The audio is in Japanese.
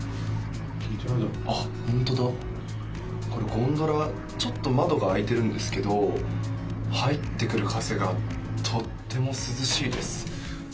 ゴンドラ、ちょっと窓が開いているんですけど入ってくる風がとても涼しいです。